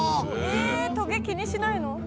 えトゲ気にしないの？